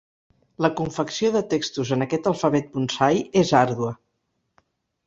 La confecció de textos en aquest alfabet bonsai és àrdua.